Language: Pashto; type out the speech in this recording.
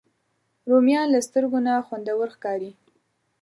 رومیان له سترګو نه خوندور ښکاري